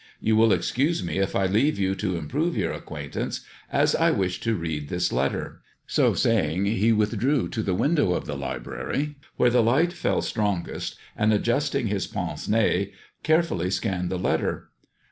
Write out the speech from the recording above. You will excuse me if I leave you to improve your acquaintance, as I wish to read this letter." So saying he withdrew to the window of the library, where the light fell strongest, and adjusting his pince nez, carefully scanned the letter.